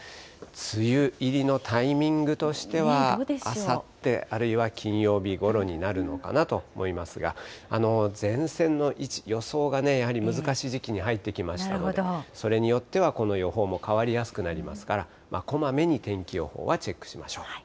梅雨入りのタイミングとしては、あさって、あるいは金曜日ごろになるのかなと思いますが、前線の位置、予想がやはり難しい時期に入ってきましたので、それによってはこの予報も変わりやすくなりますから、こまめに天気予報はチェックしましょう。